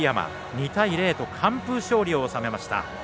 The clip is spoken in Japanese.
２対０と完封勝利を収めました。